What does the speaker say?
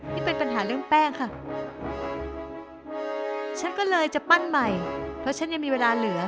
นี่เป็นปัญหาเรื่องแป้งค่ะฉันก็เลยจะปั้นใหม่เพราะฉันยังมีเวลาเหลือ